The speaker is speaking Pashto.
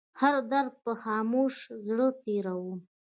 هر درد په خاموشه زړه تيروم